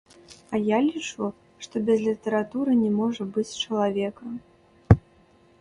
А я лічу, што без літаратуры не можа быць чалавека.